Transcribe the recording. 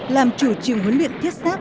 làm chủ trường huấn luyện thiết sáp